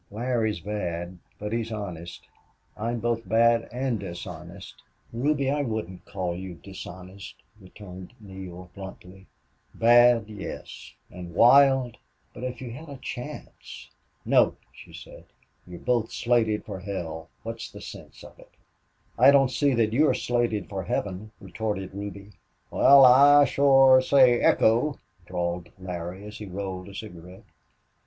"Larry is bad, but he's honest. I'm both bad and dishonest." "Ruby, I wouldn't call you dishonest," returned Neale, bluntly. "Bad yes. And wild! But if you had a chance?" "No," she said. "You're both slated for hell. What's the sense of it?" "I don't see that you're slated for heaven," retorted Ruby. "Wal, I shore say echo," drawled Larry, as he rolled a cigarette.